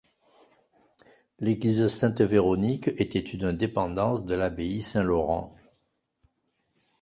L'église Sainte-Véronique était une dépendance de l'abbaye Saint-Laurent.